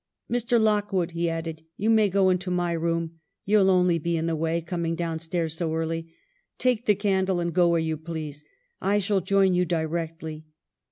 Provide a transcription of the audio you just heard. ' Mr. Lockwood,' he added, 'you may go into my room : you'll only be in the way, coming down stairs so early. ... Take the candle and go where you please. I shall join you directly.